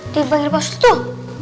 di bagian pastut tuh